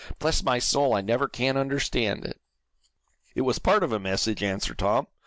"Bless my soul, I never can understand it!" "It was part of a message," answered Tom.